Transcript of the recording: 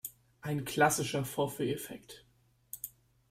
Ein klassischer Vorführeffekt!